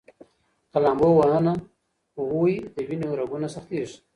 که لامبو ونه ووهئ، د وینې رګونه سختېږي.